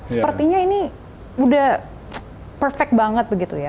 sepertinya ini udah perfect banget begitu ya